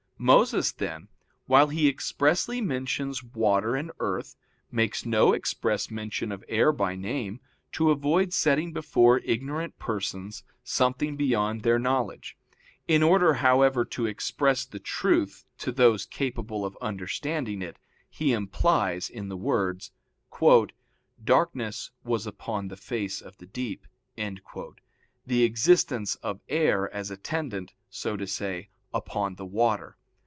Moses, then, while he expressly mentions water and earth, makes no express mention of air by name, to avoid setting before ignorant persons something beyond their knowledge. In order, however, to express the truth to those capable of understanding it, he implies in the words: "Darkness was upon the face of the deep," the existence of air as attendant, so to say, upon the water.